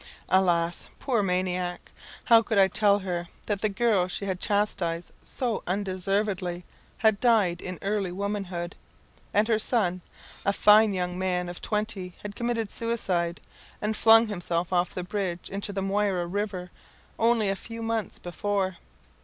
Alas, poor maniac! How could I tell her that the girl she had chastised so undeservedly had died in early womanhood, and her son, a fine young man of twenty, had committed suicide, and flung himself off the bridge into the Moira river only a few months before.